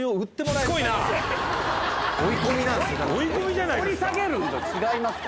追い込みじゃないですか。